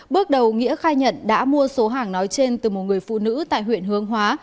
bước đầu nghĩa khai nhận đã mua số hàng nói trên từ một người phụ nữ tại huyện hướng hóa